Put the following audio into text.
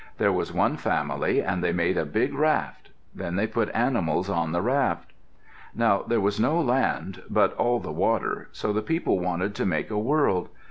There was one family and they made a big raft. Then they put animals on the raft. Now there was no land but all water, so the people wanted to make a world.